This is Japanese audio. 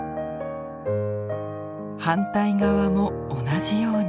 反対側も同じように。